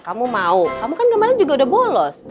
kamu mau kamu kan kemarin juga udah bolos